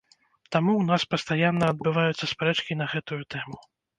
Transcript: Таму ў нас пастаянна адбываюцца спрэчкі на гэтую тэму.